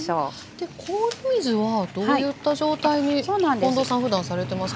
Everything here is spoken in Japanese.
で氷水はどういった状態に近藤さんふだんされてますか？